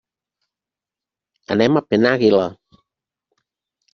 Anem a Penàguila.